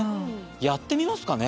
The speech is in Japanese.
やってみますかね。